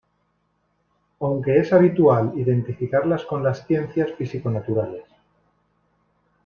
Aunque es habitual identificarlas con las ciencias físico-naturales.